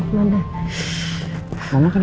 kayakly sdn plans kan selesainya